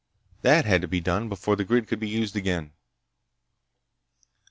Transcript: That had to be done before the grid could be used again.